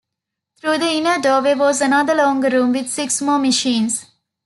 Through the inner doorway was another longer room, with six more machines.